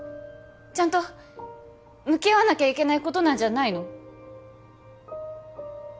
ちゃんと向き合わなきゃいけないことなんじゃないの？